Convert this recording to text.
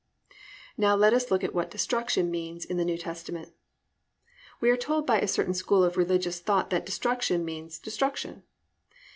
2. Now let us look at what "Destruction" means in the New Testament. We are told by a certain school of religious thought that "destruction" means destruction.